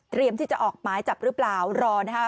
เตรียมที่จะออกไม้จับหรือเปล่ารอนะครับ